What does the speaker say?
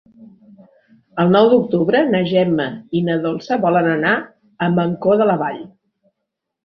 El nou d'octubre na Gemma i na Dolça volen anar a Mancor de la Vall.